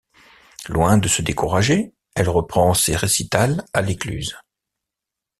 Loin de se décourager, elle reprend ses récitals à L’Écluse.